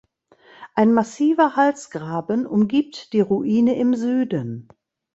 Ein massiver Halsgraben umgibt die Ruine im Süden.